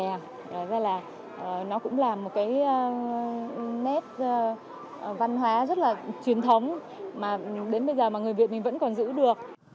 nó cũng là một cái nét văn hóa rất là truyền thống mà đến bây giờ mà người việt mình vẫn còn giữ được